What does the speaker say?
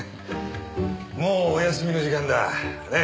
もうお休みの時間だ。ね？